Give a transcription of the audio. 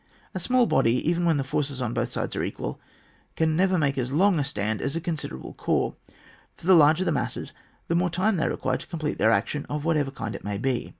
A small body, even when the forces on both sides are equal can never make as long a stand as a considerable corps ; for the larger the masses the more time they require to complete their action, of whatever kind it may be.